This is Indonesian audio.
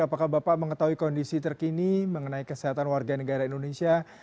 apakah bapak mengetahui kondisi terkini mengenai kesehatan warga negara indonesia